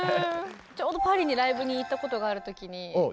ちょうどパリにライブに行ったことがある時に。